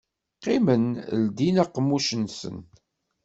Qqimen ldin aqemmuc-nsen.